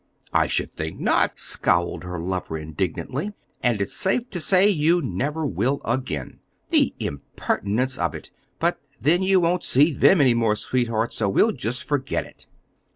"I should think not," scowled her lover, indignantly; "and it's safe to say you never will again. The impertinence of it! But then, you won't see them any more, sweetheart, so we'll just forget it."